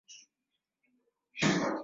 Kwani una miaka mingapi?